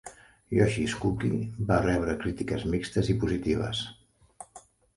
"Yoshi's Cookie" va rebre crítiques mixtes i positives.